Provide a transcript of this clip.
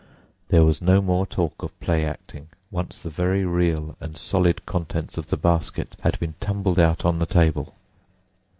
There was no more talk of play acting once the very real and solid contents of the basket had been tumbled out on the table.